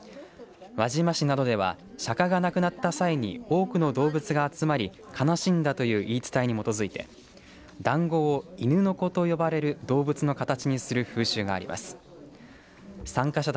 輪島市などでは釈迦が亡くなった際に多くの動物が集まり悲しんだという言い伝えに基づいてだんごを犬の子と呼ばれる動物の形にする風習があります。